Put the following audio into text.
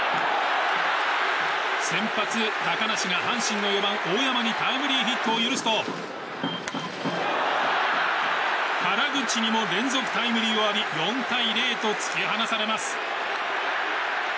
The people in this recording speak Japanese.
先発、高梨が阪神の４番、大山にタイムリーヒットを許すと原口にも連続タイムリーを浴び４対０と突き放されます。